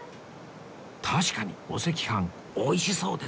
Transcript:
確かにお赤飯美味しそうですね